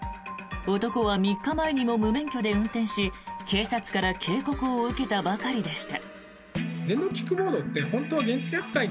男は３日前にも無免許で運転し警察から警告を受けたばかりでした。